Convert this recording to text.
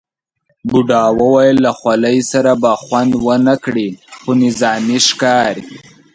بوډا وویل له خولۍ سره به خوند ونه کړي، خو نظامي ښکاري.